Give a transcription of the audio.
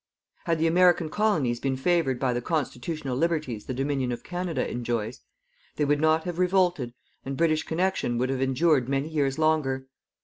Had the American colonies been favoured by the constitutional liberties the Dominion of Canada enjoys, they would not have revolted and British connection would have endured many years longer.